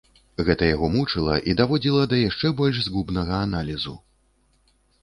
Гэта яго мучыла і даводзіла да яшчэ больш згубнага аналізу.